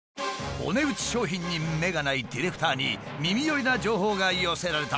お値打ち商品に目がないディレクターに耳寄りな情報が寄せられた！